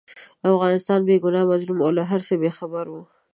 افغانستان بې ګناه، مظلوم او له هرڅه بې خبره وو.